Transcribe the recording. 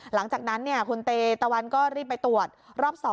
หลังจากนั้นคุณเตตะวันก็รีบไปตรวจรอบ๒